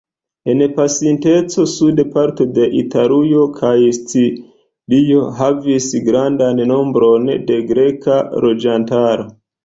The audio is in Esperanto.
En pasinteco suda parto de Italujo kaj Sicilio havis grandan nombron de greka loĝantaro.